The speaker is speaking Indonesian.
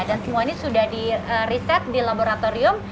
dan semua ini sudah di reset di laboratorium